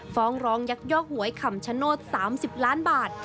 ฟ้องร้องยักยอกหวยคำชโนธ๓๐ล้านบาท